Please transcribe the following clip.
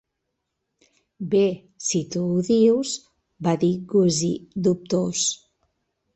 "Bé, si tu ho dius", va dir Gussie dubtós.